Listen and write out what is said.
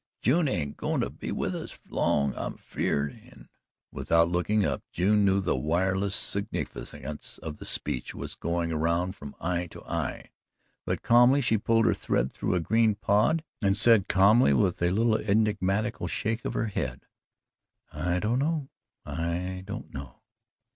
"June ain't goin' to be with us long, I'm afeerd:" and, without looking up, June knew the wireless significance of the speech was going around from eye to eye, but calmly she pulled her thread through a green pod and said calmly, with a little enigmatical shake of her head: "I don't know I don't know."